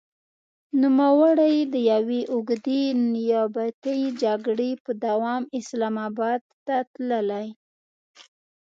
نوموړی د يوې اوږدې نيابتي جګړې په دوام اسلام اباد ته تللی.